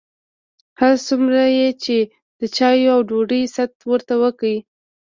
هر څومره یې چې د چایو او ډوډۍ ست ورته وکړ.